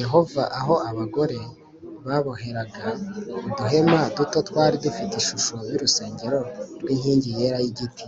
Yehova aho abagore baboheraga uduhema duto twari dufite ishusho y’urusengero rw’inkingi yera y’igiti